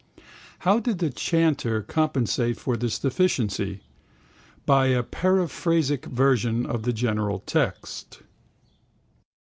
How did the chanter compensate for this deficiency? By a periphrastic version of the general text.